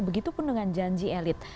begitu pun dengan janji elit